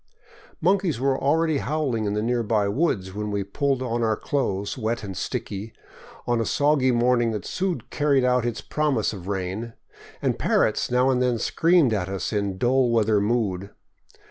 Monkeys were already howling in the nearby woods when we pulled on our clothes, wet and sticky, in a soggy morning that soon carried out its promise of rain; and parrots now and then screamed at us in dull weather mood.